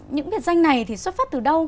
những biệt danh này thì xuất phát từ đâu